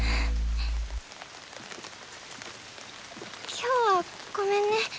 今日はごめんね。